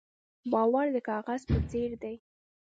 باور د کاغذ په څېر دی.